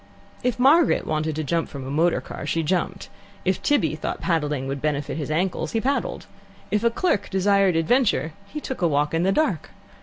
If Margaret wanted to jump from a motor car, she jumped; if Tibby thought paddling would benefit his ankles, he paddled; if a clerk desired adventure, he took a walk in the dark.